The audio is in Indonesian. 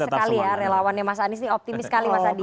oke optimis sekali ya relawannya mas anies nih optimis sekali mas adi